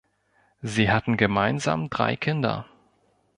Sie hatten gemeinsam drei Kinder.